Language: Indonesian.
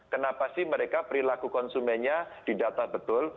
kenapa sih mereka perilaku konsumennya di data betul